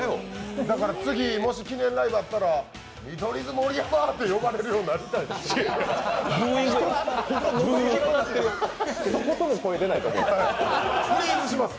だから次もし記念ライブあったら見取り図盛山！って呼ばれるようになりたいです。